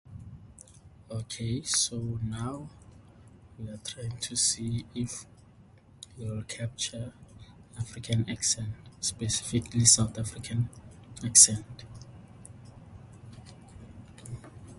They did so as the Socialist Policy Group, and published the newspaper "Socialist Action".